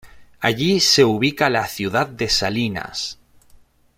Allí se ubica la ciudad de Salinas.